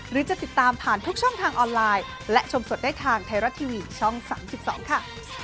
หรือจะติดตามผ่านทุกช่องทางออนไลน์และชมสดได้ทางไทยรัฐทีวีช่อง๓๒ค่ะ